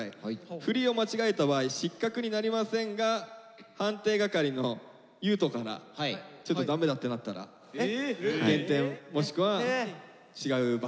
振りを間違えた場合失格になりませんが判定係の優斗からちょっと駄目だってなったら減点もしくは違う罰ゲームが。